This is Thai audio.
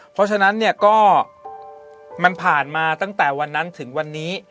เพราะฉะนั้นเนี่ยก็มันผ่านมาตั้งแต่วันนั้นถึงวันนี้